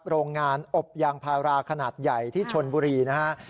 โรงงานอบยางพาราขนาดใหญ่ที่ชนบุรีนะฮะ